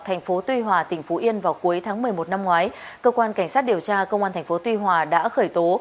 thành phố tuy hòa tỉnh phú yên vào cuối tháng một mươi một năm ngoái cơ quan cảnh sát điều tra công an tp tuy hòa đã khởi tố